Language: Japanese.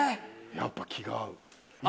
やっぱ気が合う。